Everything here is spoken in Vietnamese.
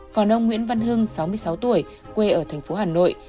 còn ông nguyễn văn hưng sáu mươi sáu tuổi quê ở thành phố hà nội